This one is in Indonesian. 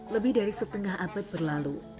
lebih dari setengah abad berlalu